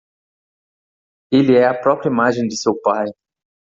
Ele é a própria imagem de seu pai